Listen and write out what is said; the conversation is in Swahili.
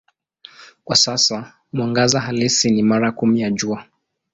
Kwa sasa mwangaza halisi ni mara kumi ya Jua.